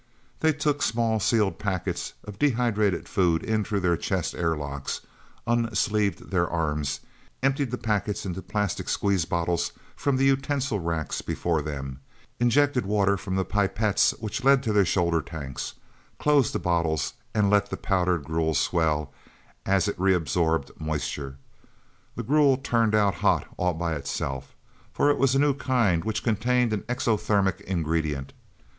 They took small, sealed packets of dehydrated food in through their chest airlocks, unsleeved their arms, emptied the packets into plastic squeeze bottles from the utensil racks before them, injected water from the pipettes which led to their shoulder tanks, closed the bottles and let the powdered gruel swell as it reabsorbed moisture. The gruel turned out hot all by itself. For it was a new kind which contained an exothermic ingredient.